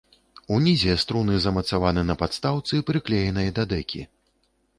Унізе струны замацаваны на падстаўцы, прыклеенай да дэкі.